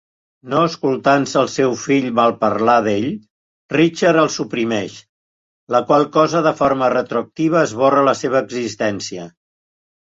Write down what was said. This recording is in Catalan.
No escoltant-se el seu fill malparlar d'ell, Richard el suprimeix, la qual cosa de forma retroactiva esborra la seva existència.